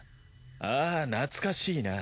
あぁ懐かしいな。